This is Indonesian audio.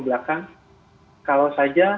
belakang kalau saja